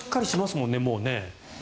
もうね。